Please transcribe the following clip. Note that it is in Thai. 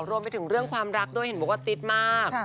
รวมไปถึงเรื่องความรักด้วยเห็นบอกว่าติ๊ดมาก